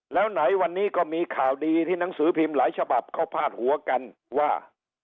แล้วไหนวันนี้ก็มีข่าวดีที่หนังสือพิมพ์หลายฉบับเขาพาดหัวกันว่า